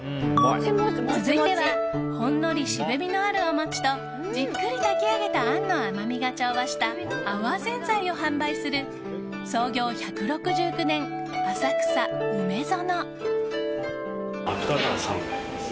続いては、ほんのり渋みのあるお餅とじっくり炊き上げたあんの甘みが調和したあわぜんざいを販売する創業１６９年、浅草・梅園。